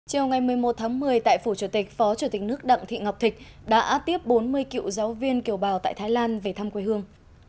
chiều ngày một mươi một tháng một mươi tại phủ chủ tịch phó chủ tịch nước đặng thị ngọc thịnh đã tiếp bốn mươi cựu giáo viên kiều bào tại thái lan về thăm quê hương